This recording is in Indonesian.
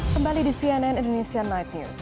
kembali di cnn indonesia night news